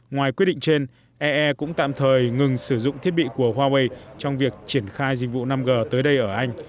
ngoài quyết định trên ee cũng tạm thời ngừng sử dụng thiết bị của huawei trong việc triển khai dịch vụ năm g tới đây ở anh